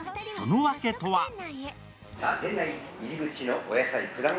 その訳とは。